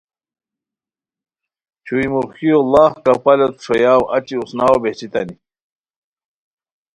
چھوئی موخیو ڑاغ کپالوت ݰوییاؤ اچی اوسناؤ بہچیتانی